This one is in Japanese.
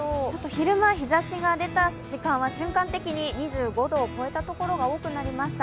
昼間日ざしが出た時間は瞬間的に２５度を超えたところが多くなりました。